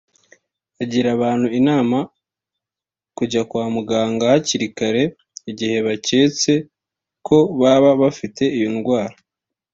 Aragira abantu inama kujya kwa muganga hakiri kare igihe baketse ko baba bafite iyo ndwara